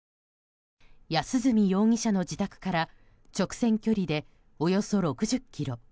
安栖容疑者の自宅から直線距離で、およそ６０ｋｍ。